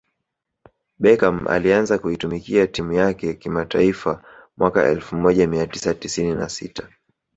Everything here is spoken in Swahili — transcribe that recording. Beckam alianza kuitumikia timu yake kimataifa mwaka elfu moja mia tisa tisini na sita